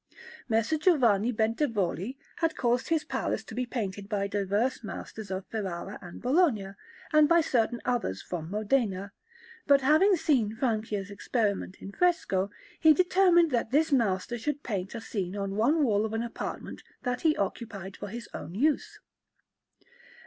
Messer Giovanni Bentivogli had caused his palace to be painted by diverse masters of Ferrara and Bologna, and by certain others from Modena; but, having seen Francia's experiments in fresco, he determined that this master should paint a scene on one wall of an apartment that he occupied for his own use.